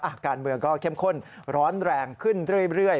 การเมืองก็เข้มข้นร้อนแรงขึ้นเรื่อย